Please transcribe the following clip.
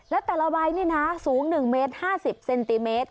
และแต่ละใบนี่นะสูง๑เมตร๕๐เซนติเมตร